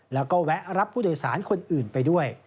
แล้วก็แวะรับผู้โดยสารคนอื่นไปด้วย